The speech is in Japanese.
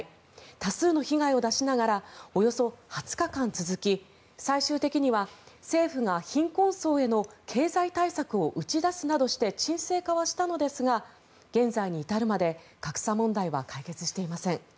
多数の被害を出しながらおよそ２０日間続き最終的には政府が貧困層への経済対策を打ち出すなどして鎮静化はしたのですが現在に至るまで格差問題は解決していません。